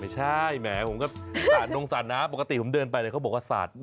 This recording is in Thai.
ใช่แหมผมก็สาดนงสาดน้ำปกติผมเดินไปเลยเขาบอกว่าสาด